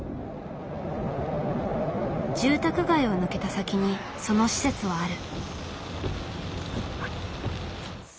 住宅街を抜けた先にその施設はある。